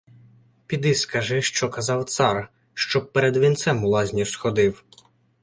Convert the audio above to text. Піди скажи, що казав цар, щоб перед вінцем у лазню сходив.